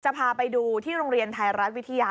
พาไปดูที่โรงเรียนไทยรัฐวิทยา